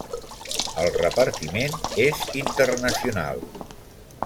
El repartiment és internacional.